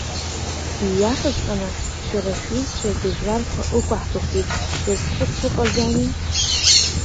Ииашаҵәҟьаны, шәара шәҩызцәа иагьа жәларқәа ықәаҳгахьеит. Иазхәыцуа ыҟаӡами?